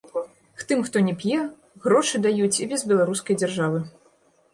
Тым, хто не п'е, грошы даюць і без беларускай дзяржавы.